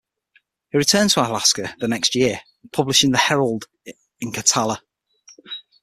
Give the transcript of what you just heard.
He returned to Alaska the next year, publishing the "Herald" in Katalla.